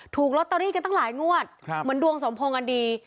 ถูกลอตเตอรี่กันตั้งหลายงวดเหมือนดวงสมพงษ์กันดี